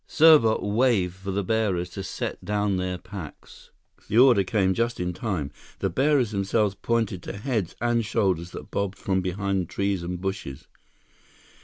Serbot waved for the bearers to set down their packs. The order came just in time. The bearers themselves pointed to heads and shoulders that bobbed from behind trees and bushes.